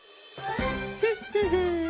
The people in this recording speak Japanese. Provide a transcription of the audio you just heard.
フッフフン！